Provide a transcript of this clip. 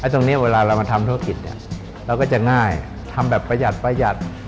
ตรงนี้เวลาเรามาทำธุรกิจเนี่ยเราก็จะง่ายทำแบบประหยัดประหยัด